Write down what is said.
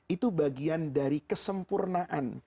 itu bagian dari kesempurnaan